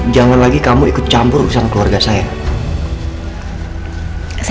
jangan lagi kamu ikut campur urusan keluarga saya